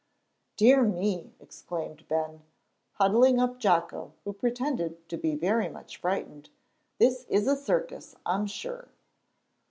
"Dear me!" exclaimed Ben, huddling up Jocko, who pretended to be very much frightened, "this is a circus, I'm sure."